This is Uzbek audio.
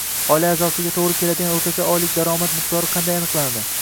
Oila a’zosiga to‘g‘ri keladigan o‘rtacha oylik daromad miqdori qanday aniqlanadi?